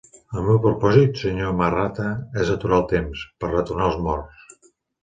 El meu propòsit, Sr. Marratta, és aturar el temps, per retornar els morts.